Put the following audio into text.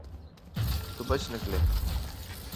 تو بچ نکلے۔